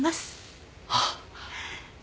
あっ。